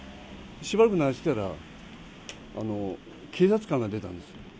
しばらく鳴らしてたら、警察官が出たんです。